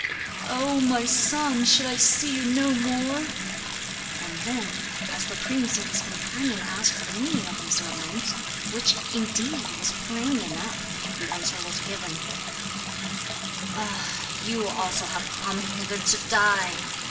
'Oh! my son, shall I see you no more?' And then, as the prince and his companion asked the meaning of these laments which, indeed, was plain enough the answer was given: 'Ah, you also have come hither to die!